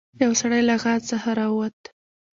یو سړی له غار څخه راووت.